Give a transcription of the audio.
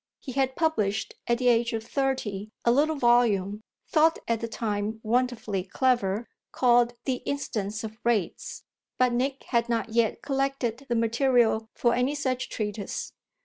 He had published at the age of thirty a little volume, thought at the time wonderfully clever, called The Incidence of Rates; but Nick had not yet collected the material for any such treatise.